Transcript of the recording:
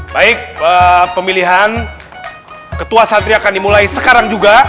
baik pemilihan ketua santri akan dimulai sekarang juga